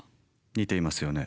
似ていますよね。